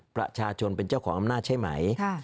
ประชาชนเป็นเจ้าของอำนาจใช่ไหม